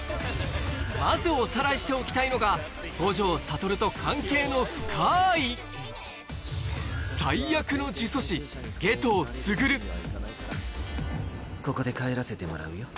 まずおさらいしておきたいのが五条悟と関係の深いここで帰らせてもらうよ。